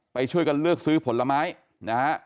ไปช่วยกันเลือกซื้อผลไม้นะฮะ